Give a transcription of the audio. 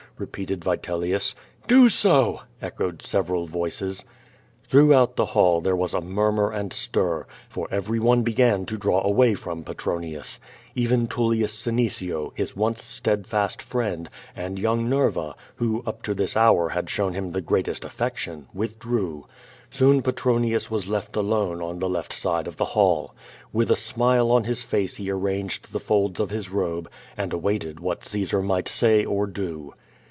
repeated Vitelius. Do so!" echoed several voices. QUO VADIS. 361 ThroDghout ihe hall there was a murmur and etir, for everyone began to draw away from Petronius. Even TuUius Seneeio, his once steadfast friend, and young Xerva, who up to this hour had shown him the greatest alfeetion, withdrew. Soon Petronius was left alone on the left side of the hall. AVith a smile on his face he arranged the folds of his robe, and awaited what Caesar might say or do.